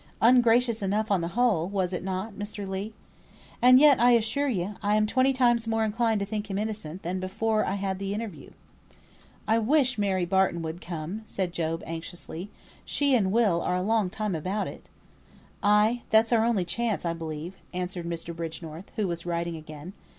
Ungracious enough on the whole, was it not, Mr. Legh? And yet, I assure ye, I am twenty times more inclined to think him innocent than before I had the interview." "I wish Mary Barton would come," said Job, anxiously. "She and Will are a long time about it." "Ay, that's our only chance, I believe," answered Mr. Bridgenorth, who was writing again.